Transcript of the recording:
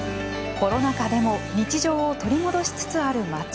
コロナ禍でも日常を取り戻しつつある町。